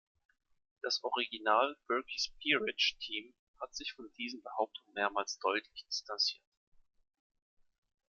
Das Original "Burke’s Peerage" Team hat sich von diesen Behauptungen mehrmals deutlich distanziert.